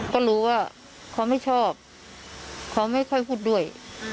ก็รู้ว่าเขาไม่ชอบเขาไม่ค่อยพูดด้วย